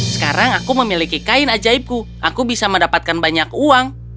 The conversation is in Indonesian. sekarang aku memiliki kain ajaibku aku bisa mendapatkan banyak uang